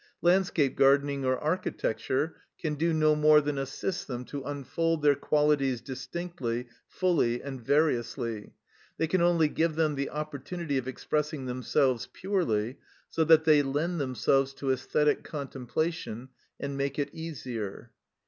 Landscape gardening or architecture can do no more than assist them to unfold their qualities distinctly, fully, and variously; they can only give them the opportunity of expressing themselves purely, so that they lend themselves to æsthetic contemplation and make it easier.